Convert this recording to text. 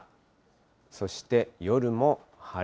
そして夜も晴れ。